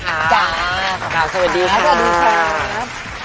จ้าสวัสดีค่ะสวัสดีค่ะสวัสดีค่ะสวัสดีค่ะ